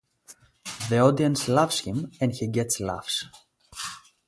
The audience loves him and he gets laughs.